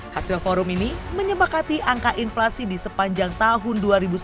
hasil forum ini menyepakati angka inflasi di sepanjang tahun dua ribu sembilan belas